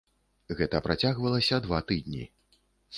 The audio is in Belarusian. Гэта працягвалася два тыдні.